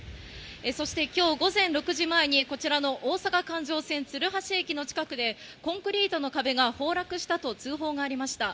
そして、きょう午前６時前にこちらの大阪環状線鶴橋駅の近くでコンクリートの壁が崩落したと通報がありました。